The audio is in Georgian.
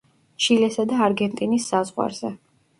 ჩილესა და არგენტინის საზღვარზე.